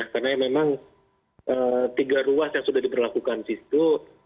karena memang tiga ruas yang sudah diperlakukan di situ